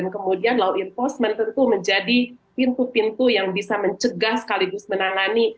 kemudian law enforcement tentu menjadi pintu pintu yang bisa mencegah sekaligus menangani